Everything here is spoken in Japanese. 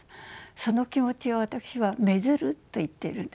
その気持ちを私は「愛づる」と言っているんです。